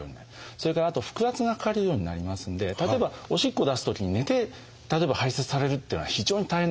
それからあと腹圧がかかるようになりますんで例えばおしっこを出すときに寝て例えば排せつされるっていうのは非常に大変ですね。